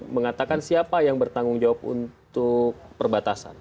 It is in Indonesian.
mengatakan siapa yang bertanggung jawab untuk perbatasan